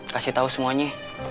kasih tau semuanya